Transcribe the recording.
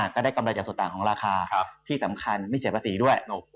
ก็ได้กำไรจากส่วนต่างของราคาที่สำคัญไม่เสียภาษีด้วย